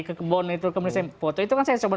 ke kebon itu kemudian saya foto itu kan saya coba